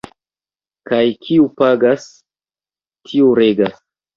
Kaj kiu pagas, tiu regas.